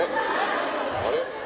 あれ？